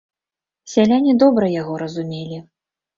Сяляне добра яго разумелі.